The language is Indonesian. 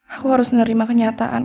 aku harus nerima kenyataan